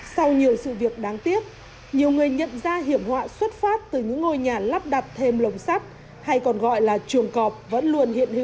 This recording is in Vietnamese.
sau nhiều sự việc đáng tiếc nhiều người nhận ra hiểm họa xuất phát từ những ngôi nhà lắp đặt thêm lồng sắt hay còn gọi là chuồng cọp vẫn luôn hiện hữu